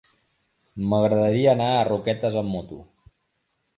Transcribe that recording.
M'agradaria anar a Roquetes amb moto.